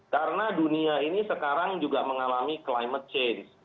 karena dunia ini sekarang juga mengalami climate change